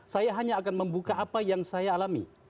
saya hanya akan membuka apa yang saya alami